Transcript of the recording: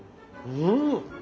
うん。